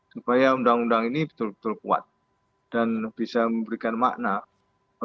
supaya undang undang ini betul betul kuat dan bisa memberikan makna